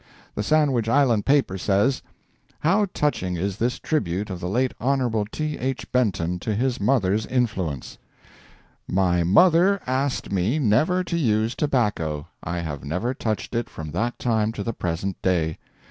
The Sandwich Island paper says: How touching is this tribute of the late Hon. T. H. Benton to his mother's influence: "My mother asked me never to use tobacco; I have never touched it from that time to the present day.